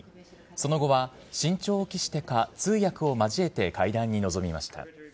その後は、慎重を期してか、通訳を交えて会談に臨みました。